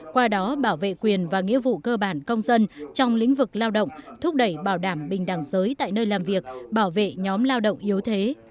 qua đó bảo vệ quyền và nghĩa vụ cơ bản công dân trong lĩnh vực lao động thúc đẩy bảo đảm bình đẳng giới tại nơi làm việc bảo vệ nhóm lao động yếu thế